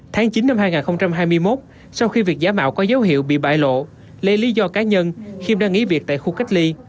tháng chín năm hai nghìn hai mươi một sau khi việc giả mạo có dấu hiệu bị bại lộ lấy lý do cá nhân khiêm đang nghỉ việc tại khu cách ly